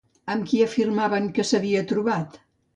Amb qui afirmaven que s'havia trobat?